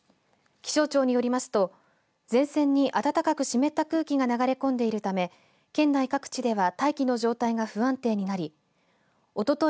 気象庁によりますと前線に、暖かく湿った空気が流れ込んでいるため県内各地では大気の状態が不安定になりおととい